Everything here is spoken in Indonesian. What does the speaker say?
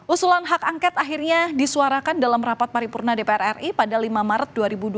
usulan hak angket akhirnya disuarakan dalam rapat paripurna dpr ri pada lima maret dua ribu dua puluh